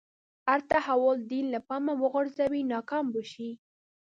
هر تحول دین له پامه وغورځوي ناکام به شي.